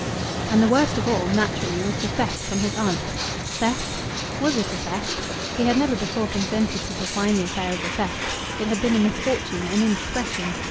And the worst of all, naturally, was the theft from his aunt. Theft? Was it a theft? He had never before consented to define the affair as a theft; it had been a misfortune, an indiscretion.